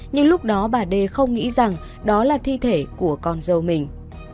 nhưng lúc đó bà đê không nghĩ rằng đó là thi thể của con dâu mình